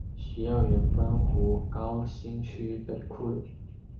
许耀元汾湖高新区北厍人。